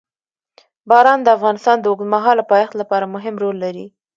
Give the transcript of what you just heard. باران د افغانستان د اوږدمهاله پایښت لپاره مهم رول لري.